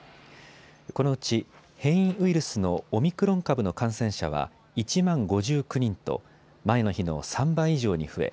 このうち変異ウイルスのオミクロン株の感染者は１万５９人と前の日の３倍以上に増え